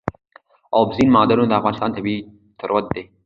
اوبزین معدنونه د افغانستان طبعي ثروت دی.